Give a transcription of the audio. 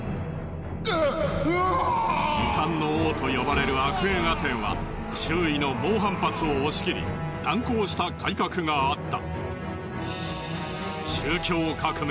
異端の王と呼ばれるアクエンアテンは周囲の猛反発を押しきり断行した改革があった。